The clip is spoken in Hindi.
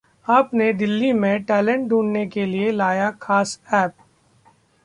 आप ने दिल्ली में टैलेंट ढूंढने के लिए लाया खास ऐप